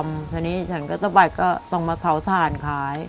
ไม่มีใครดำฉะนี้ฉันก็ตะบัดก็ต้องมาเผาถ่านขาย